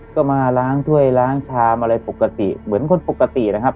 ก็มาล้างถ้วยล้างชามอะไรปกติเหมือนคนปกตินะครับ